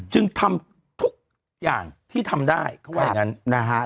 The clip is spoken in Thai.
ยังไงยังไงยังไงยังไง